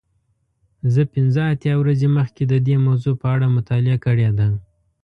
زه پنځه اتیا ورځې مخکې د دې موضوع په اړه مطالعه کړې ده.